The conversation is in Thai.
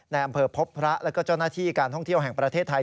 ในอำเภอพบพระแล้วก็เจ้าหน้าที่การท่องเที่ยวแห่งประเทศไทย